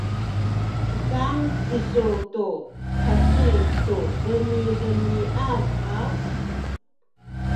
mukan kisu tu heci tu demiamiad haw?